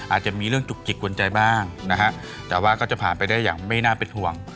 อาจจะมีเรื่องจุกจิกกวนใจบ้างนะฮะแต่ว่าก็จะผ่านไปได้อย่างไม่น่าเป็นห่วง